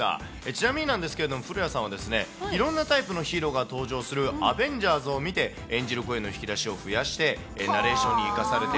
ちなみになんですけれども、古谷さんはいろんなタイプのヒーローが登場するアベンジャーズを見て、演じる声の引き出しを増やして、ナレーションに生かされて